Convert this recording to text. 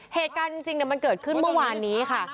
เหตุการณ์จริงมันเกิดขึ้นเมื่อวานนี้ค่ะ